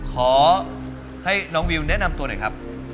ขอให้น้องวิวแนะนำตัวหน่อยครับ